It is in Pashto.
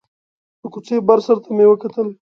د کوڅې بر سر ته مې وکتل.